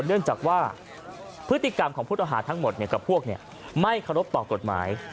เนื่องจากว่าพฤติกรรมของผู้ต้องหาทั้งหมดกับพวกไม่เคารพต่อกฎหมาย